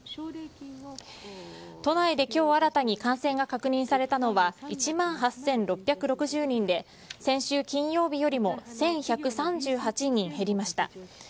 都内で今日新たに感染が確認されたのは１万８６６０人で先週金曜日よりも１１３８人減りました。